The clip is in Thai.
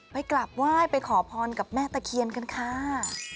ไปกลับไหว้ไปขอพรกับแม่ตะเคียนกันค่ะ